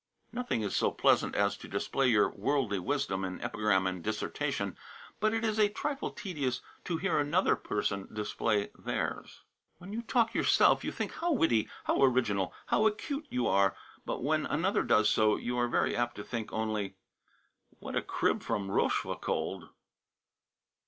"Nothing is so pleasant as to display your worldly wisdom in epigram and dissertation, but it is a trifle tedious to hear another person display theirs." "When you talk yourself you think how witty, how original, how acute you are; but when another does so, you are very apt to think only, 'What a crib from Rochefoucauld!'"